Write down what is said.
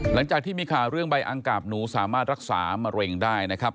หลังจากที่มีข่าวเรื่องใบอังกาบหนูสามารถรักษามะเร็งได้นะครับ